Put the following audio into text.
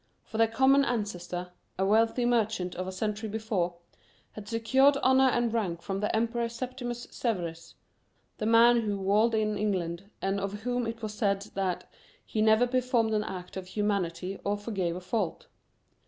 For their common ancestor a wealthy merchant of a century before had secured honor and rank from the Emperor Septimus Severus the man who "walled in" England, and of whom it was said that "he never performed an act of humanity or forgave a fault."